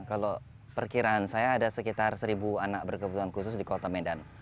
kalau perkiraan saya ada sekitar seribu anak berkebutuhan khusus di kota medan